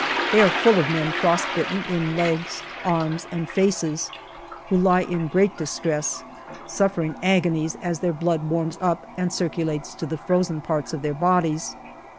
They are full of men frostbitten in legs, arms, and faces, who lie in great distress, suffering agonies as their blood warms up and circulates to the frozen parts of their bodies.